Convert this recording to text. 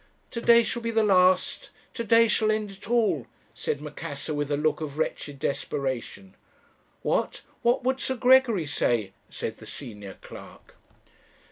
"'To day shall be the last; to day shall end it all,' said Macassar, with a look of wretched desperation. "'What what would Sir Gregory say?' said the senior clerk.